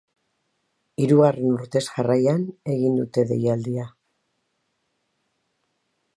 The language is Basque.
Hirugarren urtez jarraian egin dute deialdia.